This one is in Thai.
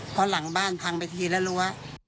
เพราะหลังบ้านพังไปทีละรั้ว